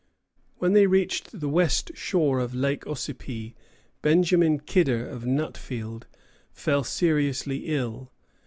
When they reached the west shore of Lake Ossipee, Benjamin Kidder, of Nutfield, fell seriously ill.